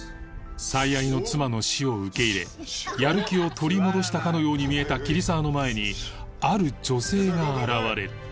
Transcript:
最愛の妻の死を受け入れやる気を取り戻したかのように見えた桐沢の前にある女性が現れる